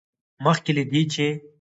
مخکې له دې، چې